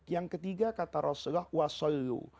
yang ketiga kata rasulullah